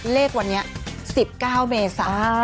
เลขวันนี้๑๙เมษา